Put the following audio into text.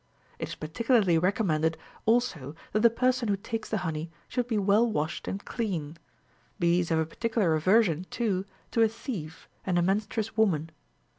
It is particularly recommended also that the person who takes the honey should be well washed and clean : bees have a par ticular aversion, too, to a thief and a menstruous woman.